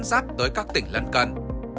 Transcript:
tự dắt tới các tỉnh lân cân